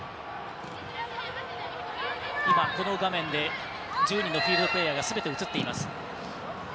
今この画面で１０人のフィールドプレーヤーがすべて映っていました。